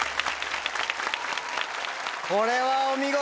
これはお見事。